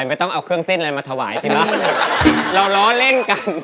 ยังเยอะมาก